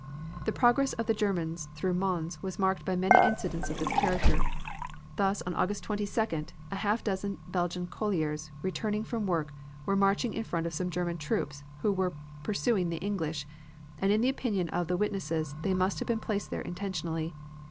The progress of the Germans through Mons was marked by many incidents of this character. Thus, on August 22d, half a dozen Belgian colliers returning from work were marching in front of some German troops who were pursuing the English, and in the opinion of the witnesses, they must have been placed there intentionally.